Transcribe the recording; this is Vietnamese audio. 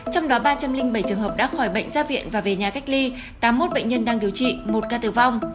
trong đó ba trăm linh bảy trường hợp đã khỏi bệnh ra viện và về nhà cách ly tám mươi một bệnh nhân đang điều trị một ca tử vong